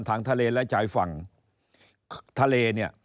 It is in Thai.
ทางทะเลและชายฝั่งทะเล